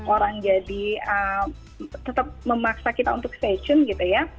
orang jadi tetap memaksa kita untuk fashion gitu ya